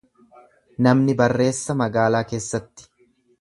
Namni barreessa magaalaa keessatti.